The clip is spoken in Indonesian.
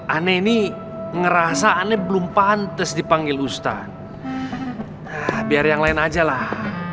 aneh ini ngerasa aneh belum pantas dipanggil ustadz biar yang lain aja lah